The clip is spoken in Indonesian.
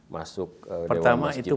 masuk dewan masjid pertama itu